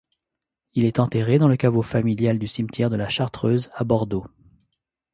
Il est enterré dans le caveau familial du cimetière de la Chartreuse à Bordeaux.